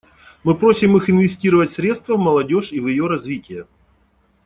Мы просим их инвестировать средства в молодежь и в ее развитие.